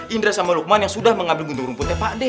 indra sama lukman yang sudah mengambil gunting rumputnya pade